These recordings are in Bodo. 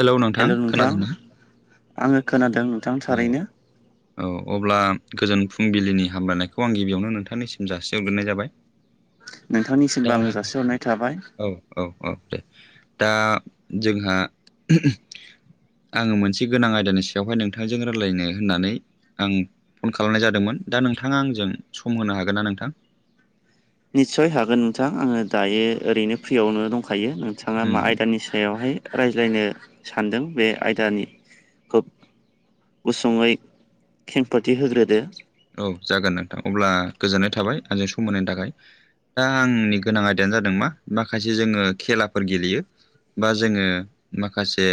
हेलौ हेल' नोंथां खोनादोंना आङो खोनादों औ थारैनो औ अब्ला गोजोन फुंबिलिनि हामलायनायखौ आं गिबियावनो नोंथांनिसिम जासि हरगोरोनाय जाबाय नोंथांनिसिमबो दा आंङो जासिहरनाय थाबाय औ औ औ दे दा जोंहा आंङो मोनसे गोनां आयदानि सायावहाय नोंथांजों रायलायनो होननानै आं फन खालामनाय जादोंमोन दा नोंथांङा आंजों सम होनो हागोन ना नोंथां निस्सय हागोन नोंथां आंङो दायो ओरैनो फ्रियावनो दंखायो नोंथांङा मा उम आयदानि सायावहाय रायज्लायनो सानदों बे आयदानि खोब [unintelligible] गुसुङै खेंफोरथि होग्रोदो औ जागोन नोंथां अब्ला गोजोननाय थाबाय आंजों सम होनायनि थाखाय दा आंनि गोनां आयदायानो जादों मा माखासे जोंङो खेलाफोर गेलेयो बा जोंङो माखासे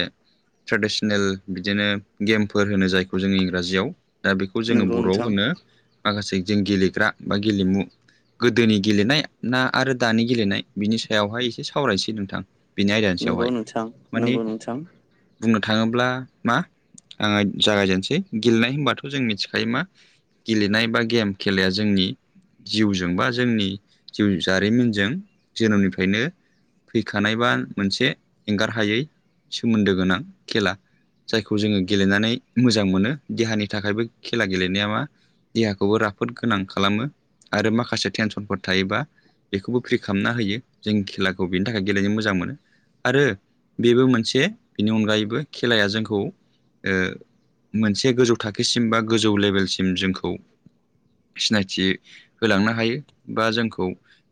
ट्रेडिसनेल बिदिनो गेमफोर होनो जायखौ जों इंराजियाव दा बेखौ जोंङो नंगौ बर'आव नोंथां होनो माखासे जों गेलेग्रा बा गेलेमु गोदोनि गेलेनाय ना आरो दानि गेलेनाय बिनि सायावहाय एसे सावरायनोसै नोंथां बिनि आयदानि नंगौ सायावहाय नोंथां माने नंगौ नोंथां बुंनो थाङोब्ला मा आङो जागायजेनसै गेलेनाय होनबाथ' जों मिथिखायो मा गेलेनाय बा गेम खेलाया जोंनि जिउजों बा जोंनि जिउ जारिमिनजों जोनोमनिफ्रायनो फैखानायबा मोनसे एंगार हायै सोमोन्दो गोनां खेला जायखौ जोङो गेलेनानै मोजां मोनो देहानि थाखायबो खेला गेलेनाया मा देहाखौबो राफोद गोनां खालामो आरो माखासे टेनसनफोर थायोबा बेखौबो फ्रि खालामना होयो जों खेलाखौ बेनि थाखाय गेलेनो मोजां मोनो आरो बेबो मोनसे बेनि अनगायैबो खेलाया जोंखौ ओ मोनसे गोजौ थाखोसिम बा गोजौ लेभेलसिम जोंखौ सिनायथि होलांनो हायो बा जोंखौ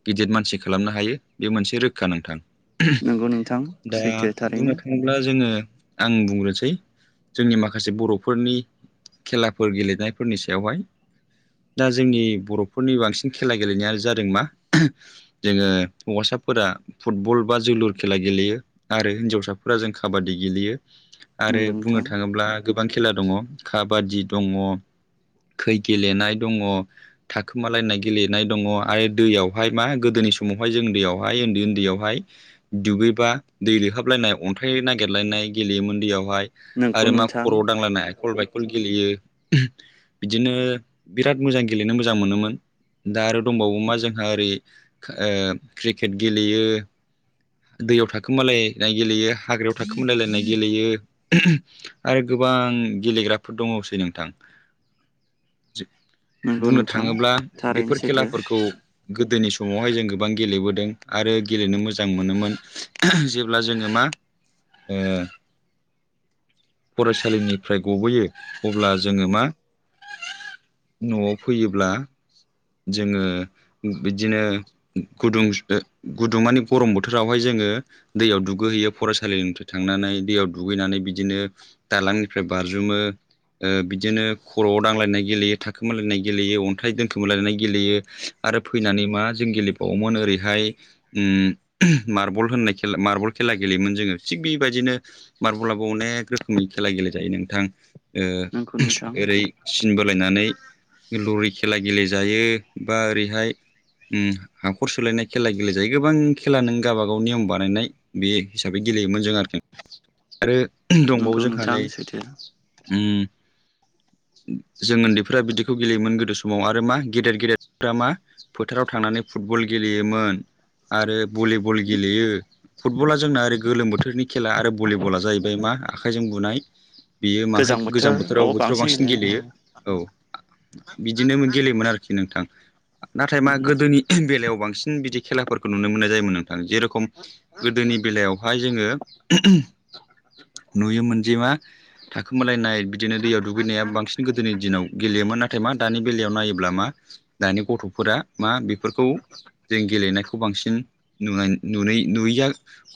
गिदिर मानसि खालामनो हायो बे मोनसे रोखा नोंथां नंगौ नोंथां दा सैथो बुंनो थारैनो थां थब्ला जोङो आं बुंग्रोसै जोंनि माखासे बर'फोरनि खेलाफोर गेलेनायफोरनि सायावहाय दा जोंनि बर'फोरनि बांसिन खेला गेलेनायानो जादों मा जोङो हौवासाफोरा फुटबल बा जोलुर खेला गेलेयो आरो हिनजावसाफोरा जों काबादि गेलेयो आरो नंगौ बुंनो नोंथां थाङोब्ला गोबां खेला दङ काबादि दङ खै गेलेनाय दङ थाखोमालायनाय गेलेनाय दङ आरो दैयावहाय मा गोदोनि समावहाय जों दैयावहाय उन्दै उन्दैयावहाय दुगैबा दै लोहाबलायनाय अन्थाइ नागिरलायनाय गेलेयोमोन दैयावहाय नोंगौ आरो मा नोंथां खर' दांलायना एखल बायखल गेलेयो बिदिनो बिराद मोजां गेलेनो मोजां मोनोमोन दा आरो दंबावो मा जोंहा ओरै ओ क्रिकेट गेलेयो दैयाव थाखोमालायनाय गेलेयो हाग्रायाव थाखोमालायनाय गेलेयो आरो गोबां गेलेग्राफोर दङोसै नोंथां नंगौ बुंनो नोंथां थाङोब्ला थारैनो बेफोर सैथो खेलाफोरखौ गोदोनि समावहाय जों गोबां गेलेबोदों आरो गेलेनो मोजां मोनोमोन जेब्ला जोङो मा ओ फरायसालिनिफ्राय गबोयो अब्ला जोङो मा न'आव फैयोब्ला जोङो बिदिनो गुदुं गुदुं माने गरम बोथोरावहाय जोङो दैयाव दुगैहैयो फरायसालिनिफ्राय थांनानै दैयाव दुगैनानै बिदिनो दालांनिफ्राय बारजुमो ओ बिदिनो खर'आव दांलायनाय गेलेयो थाखोमा लायनाय गेलेयो अन्थाइ दोनखोमा लायनाय गेलेयो आरो फैनानै मा जों गेले औमोन ओरैहाय ओम मार्बल होननाय खे मार्बल खेला गेलेयोमोन जोङो थिग बेबायदिनो मार्बलाबो अनेक रोखोमै खेला गेले जायो नोंथां नंगौ ओ नोंथां ओरै सिन बोलायनानै लुरि खेला गेलेजायो बा ओरैहाय ओम हाखर सोलायनाय खेला गेले जायो गोबां खेला नों गावबागाव नियम बानायनाय बे हिसाबै गेलेयोमोन जों आरोखि आरो दंबावो नंगौ जोंहा नोंथां नै सैथो उम जों उन्दैफोरा बिदिखौ गेलेयोमोन गोदो समाव आरो मा गेदेर गेदेरफ्रा मा फोथाराव थांनानै फुटबल गेलेयोमोन आरो भलिबल गेलेयो फुटबला जोंना ओरै गोलोम बोथोरनि खेला आरो भलिबला जाहैबाय मा आखाइजों बुनाय बेयो माहाय गोजां बोथोराव बोथोराव बांसिन गेलेयो औ बिदिनो गेलेयोमोन आरोखि नोंथां नाथाय मा गोदोनि बेलायाव बांसिन बिदि खेलाफोरखौ नुनो मोननाय जायोमोन नोंथां जेरखम गोदोनि बेलायावहाय जोङो नुयोमोनजे मा थाखोमालायनाय बिदिनो दैयाव दुगैनाया बांसिन गोदोनि दिनाव गेलेयोमोन नाथाय मा दानि बेलायाव नायोब्ला मा दानि गथ'फोरा मा बेफोरखौ जों गेलेनायखौ बांसिन नुनाय नु नुयैया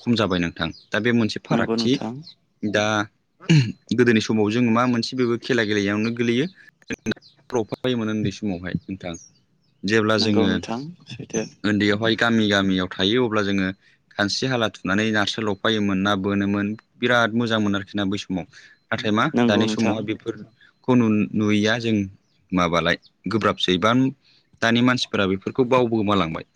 खम जाबाय नोंथां दा बे मोनसे नंगौ फारागथि नोंथां दा गोदोनि समाव जों मा मोनसे बेबो खेला गेलेयोआवनो गोलैयो जों [unintelligible] उनदै समावहाय नोंथां जेब्ला नंगौ जोङो नोंथां सैथो उन्दैयावहाय गामि गामियाव थायो अब्ला जोङो खानस्रि हाला थुनानै नास्रि लफायोमोन ना बोनोमोन बिराद मोजां मोन आरोखि ना बै समाव नाथाय मा नंगौ दानि नोंथां समावहाय बेफोर खौ नुयैया जों माबालाय गोब्राबसै बा दानि मानसिफोरा बेफोरखौ बावबोमालांबाय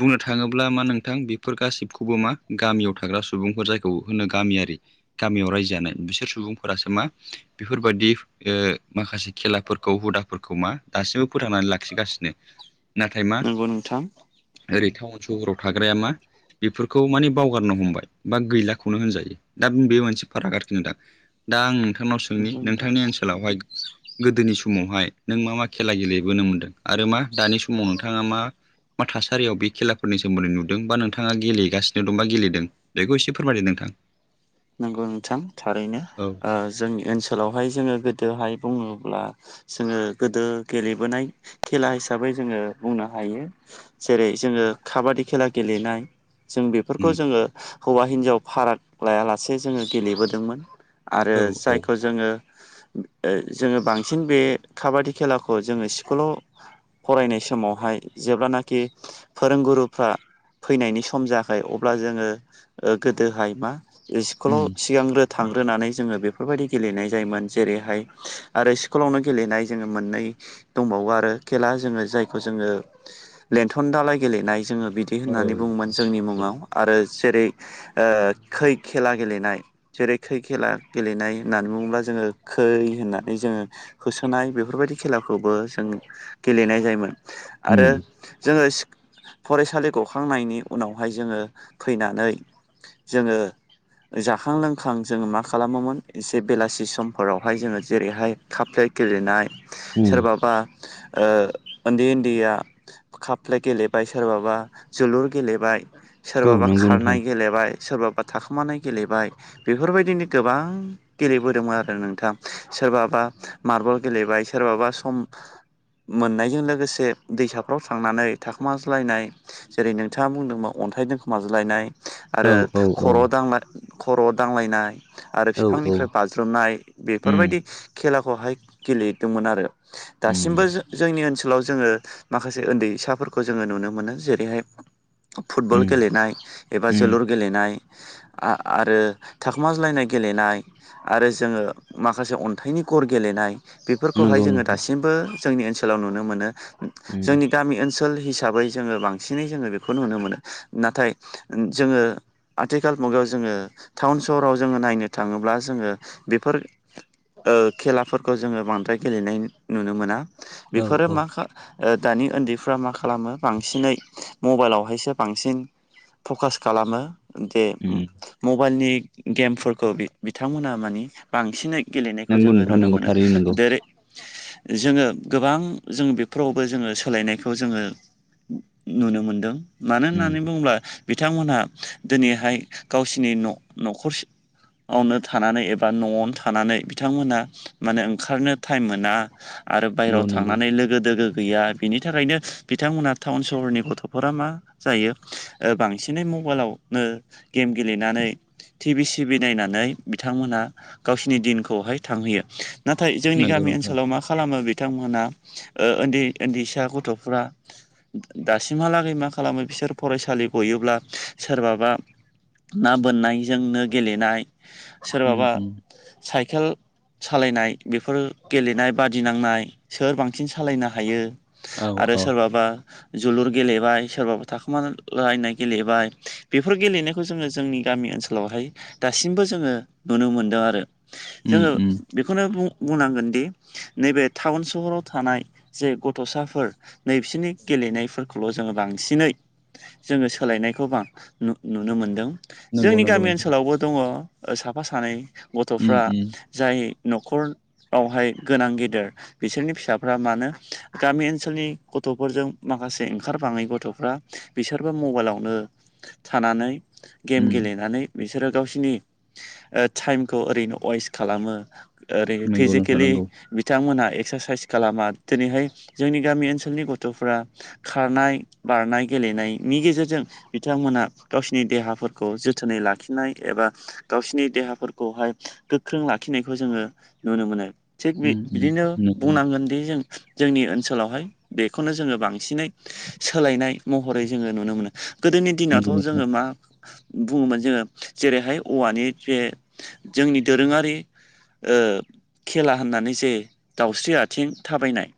बुंनो थाङोब्ला मा नोंथां बेफोर गासिबखौबो मा गामियाव थाग्रा सुबुंफोर जायखौ होनो गोन गामियारि गामियाव रायजो जानाय बिसोर सुबुंफोरासो मा बेफोरबायदि ओ माखासे खेलाफोरखौ हुदाफोरखौ मा दासिमबो फोथांनानै लाखिगासिनो नाथाय मा नंगौ नोंथां ओरै टाउन सहराव थाग्राया मा बेफोरखौ माने बावगारनो हमबाय बा गैलाखौनो होनजायो दा बे मोनसे फाराग आरोखि नोंथां दा आं नोंथांनाव सोंनि नंगौ नोंथां नोंथांनि ओनसोलावहाय गोदोनि समावहाय नों मा-मा खेला गेलेबोनो मोन्दों आरो मा दानि समाव नोंथाङा मा मा थासारियाव बे खेलाफोरनि सोमोनदै नुदों बा नोंथाङा गेलेगासिनो दं बा गेलेदों बेखौ एसे फोरमायदो नोंथां औ नोंथां थारैनो औ जोंनि ओनसोलावहाय जोङो गोदोहाय बुङोब्ला जोङो गोदो गेलेबोनाय खेला हिसाबै जोङो बुंनो हायो जेरै जोङो खाबादि खेला गेलेनाय जों औ बेफोरखौ जोङो हौवा हिनजाव फाराग लायालासे जोङो गेलेबोदोंमोन आरो औ औ जायखौ जोङो ओ जोङो बांसिन बे खाबादि खेलाखौ जोङो स्कुलाव फरायनाय समावहाय जेब्लानाखि फोरोंगुरुफ्रा फैनायनि सम जायाखै अब्ला जोङो ओ गोदोहाय मा स्कुलाव सिगांग्रो थांग्रोनानै जोङो बेफोरबायदि गेलेनाय जायोमोन जेरैहाय आरो स्कुलावनो गेलेनाय जोङो मोननै दंबावो आरो खेला जोङो जायखौ जोङो लेनथन दालाय गेलेनाय जोङो बिदि होननानै बुङो मोन जोंनि मुङाव आरो जेरै खै खेला गेलेनाय जेरै खै खेला गेलेनाय होननानै बुङोब्ला जोङो खै होननानै जोङो होसोनाय बेफोरबायदि खेलाखौबो जों गेलेनाय जायोमोन आरो जोङो फरायसालि गखांनायनि उनावहाय जोङो फैनानै जोङो जाखां लोंखां जोङो मा खालामोमोन एसे बेलासि समफोरावहाय जोङो जेरैहाय काप प्लेट गेलेनाय नंगौ सोरबाबा ओ उनदै उनदैया काप प्लेट गेलेबाय सोरबाबा जोलुर गेलेबाय औ सोरबाबा नंगौ नोंथां खारनाय गेलेबाय सोरबाबा थाखोमानाय गेलेबाय बेफोरबायदिनो गोबां गेलेबोदोंमोन आरो नोंथां सोरबाबा मार्बल गेलेबाय सोरबाबा सम मोननायजों लोगोसे दैसाफ्राव थांनानै थाखोमाज्लायनाय जेरै नोंथाङा बुंदोंबा अनथाइ दोनखोमाजोलायनाय औ आरो औ औ खर' खर'आव दांलायनाय आरो औ औ बिफांनिफ्राय बा ज्रुमनाय बेफोरबायदि खेलाखौहाय गेलेदोंमोन आरो दासिमबो जो जोंनि ओनसोलाव जोङो माखासे उन्दैसाफोरखौ जोङो नुनो मोनो जेरैहाय फुटबल गेलेनाय एबा जोलुर गेलेनाय आरो थाखोमाज्लायनाय गेलेनाय आरो जोङो माखासे अन्थाइनि गर गेलेनाय बेफोरखौहाय जोङो दासिमबो जोंनि ओनसोलाव नुनो मोनो आ नोंथां जोंनि गामि ओनसोल हिसाबै जोङो बांसिनै जोङो बेखौ नुनो मोनो नाथाय जोङो। आथिखाल मुगायाव जोङो टाउन सहराव जोङो नायनो थाङोब्ला जोङो बेफोर खेलाफोरखौ जोङो बांद्राय गेलेनाय नुनो मोना औ बेफोरो औ मा? ओ दानि उन्दैफ्रा मा खालामो बांसिनै मबाइलावहायसो बांसिन फकास खालामो बे उम मबाइलनि गेमफोरखौ बिथांमोना माने बांसिनै गेलेनायखौ नंगौ जोङो नोंथां नुनो नंगौ मोनो थारैनो नंगौ दाय रेक जोङो गोबां जोंङो बेफोरावबो जोङो सोलायनायखौ जोङो नुनो मोनदों मानो उम होननानै बुङोब्ला बिथांमोनहा दिनैहाय गावसोरनि न' न'खर आवनो थानानै एबा न'आवनो थानानै बिथांमोना माने ओंखारनो टाइम मोना आरो नंगौ बायहेरायाव नंगौ थांनानै लोगो दोगो गैया बिनि थाखायनो बिथांमोनहा टाउन सहरनि गथ'फोरा माने जायो बांसिनै मबाइलावनो गेम गेलेनानै टि भि सिभि नायनानै बिथांमोनहा गावसोरनि दिनखौहाय थांहोयो। नाथाय जोंनि नंगौ गामि नोंथां ओनसोलाव मा खालामो बिथांमोना ओ उन्दै उन्दैसा गथ'फ्रा दासिमहालागै मा खालामो बिसोर फरायसालि गयोब्ला सोरबाबा ना बोननायजोंनो गेलेनाय उम सोरबाबा उम साइकेल सालायनाय बेफोर गेलेनाय बादिनांनाय सोर बांसिन सालायनो हायो। औ आरो औ सोरबाबा जोलुर गेलेबाय सोरबाबा थाखोमालायनाय गेलेबाय। बेफोर गेलेनायखौ जोङो जोंनि गामि ओनसोलावहाय दासिमबो जोङो नुनो मोनदों आरो। ओ उम उम जोङो बेखौनो बुंनांगोन दि नैबे टाउन सहराव थानाय जे गथ'साफोर नैसिोरनि गेलेनायफोरखौल' जोङो बांसिनै जोङो सोलायनायखौ नु नुनो मोनदों नंगौ जोंनि नंगौ गामि नोंथां ओनसोलावबो दङ साफा सानै उम गथ'फ्रा उम जाय न'खरावहाय गोनां गेदेर बिसोरनि फिसाफ्रा मानो गामि ओनसोलनि गथ'फोरजों माखासे ओंखारबाङै गथ'फ्रा बिसोरबो मबाइलावनो थानानै गेम उम गेलेनानै। बिसोरो गावसिनि टाइमखौ ओरैनो अेस्ट खालामो। ओरै नंगौ नोंथां फिजिकेलि नंगौ बि बिथांमोनहा एक्सारसाइस खालामा दिनैहाय जोंनि गामि ओनसोलनि गथ'फोरा खारनाय, बारनाय गेलेनायनि गेजेरजों बिथांमोना गावसिनि देहाफोरखौ जोथोनै लाखिनाय एबा गावसिनि देहाफोरखौहाय गोख्रों लाखिनायखौ जोङो नुनो मोनो थिग बे उम उम बिदिनो नंगौ नोंथां बुंनांगोन। बे जों जोंनि ओनसोलावहाय बेखौनो जोङो बांसिनै सोलायनाय महरै जोङो नुनो मोनो गोदोनि नंगौ दिनावथ' नोंथां जोङो मा? बुङोमोन जोङो जेरैहाय औवानि जे जोंनि दोरोङारि। खेला होननानै जे दाउस्रि आथिं थाबायनाय।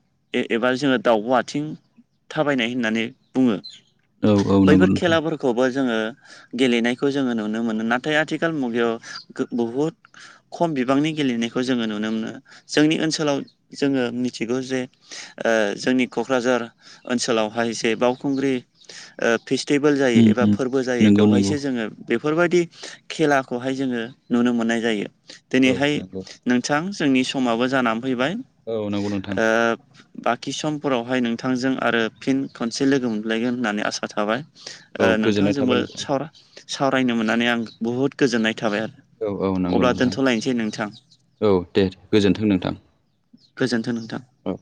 एबा जोङो दाउ आथिं थाबायनाय होननानै बुङो। औ औ नंगौ बैफोर नोंथां खेलाफोरखौ खौबो जोङो गेलेनायखौ जोङो नुनो मोनो नाथाय आथिखाल मुगायाव बुहुद ओ खम बिबांनि गेलेनायखौ जोङो नुनो मोनो जोंनि ओनसोलाव जोङो मिथिगौ जे जोंनि क'क्राझार ओनसोलावहाय एसे बावखुंग्रि फेस्टिभेल जायो उम एबा उम फोरबो जायो नंगौ नंगौ बेवहायसो जोङो बेफोरबायदि खेलाखौहाय जोङो नुनो मोननाय जायो औ दिनैहाय नंगौ नोंथां जोंनि समाबो जानानै फैबाय ओ औ नंगौ नोंथां बाखि समफोरावहाय नोंथांजों आरो फिन खनसे लोगो मोनलायगोन होननानै आसा थाबाय औ गोजोननाय थाबाय नोंथांजोंबो नोंथां साव सावरायनो मोननानै आं बुहुद गोजोननाय थाबाय आरो औ औ नंगौ अब्ला नोंथां दोनथ'लायनोसै नोंथां औ दे गोजोनथों नोंथां गोजोन्थों नोंथां उ